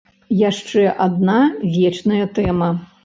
Яшчэ адна вечная тэма.